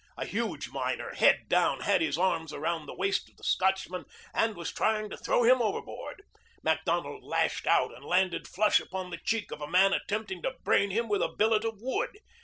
A huge miner, head down, had his arms around the waist of the Scotchman and was trying to throw him overboard. Macdonald lashed out and landed flush upon the cheek of a man attempting to brain him with a billet of wood.